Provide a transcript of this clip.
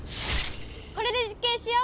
これで実験しよう！